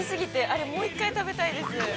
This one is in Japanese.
あれ、もう一回食べたいです。